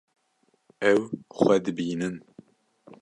Ew xwe dibînin.